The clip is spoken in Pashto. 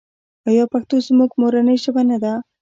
آیا پښتو زموږ مورنۍ ژبه نه ده؟